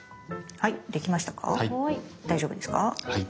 はい大丈夫です。